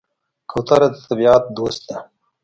کوتره د طبیعت دوست ده.